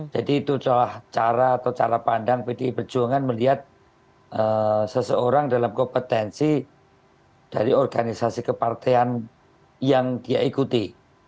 jadi itu adalah cara atau cara pandang pdi perjuangan melihat seseorang dalam kompetensi dari organisasi kepartean yang dia ikuti